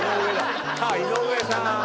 井上さーん！